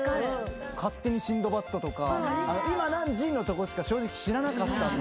『勝手にシンドバッド』とか「今何時」のとこしか正直知らなかったんで。